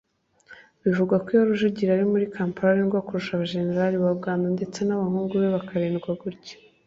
Bivugwa ko iyo Rujugiro ari muri Kampala arindwa kurusha abajenerali ba Uganda ndetse n’abahungu be bakarindwa gutyo